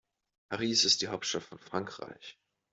Paris ist die Hauptstadt von Frankreich.